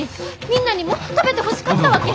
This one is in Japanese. みんなにも食べてほしかったわけ。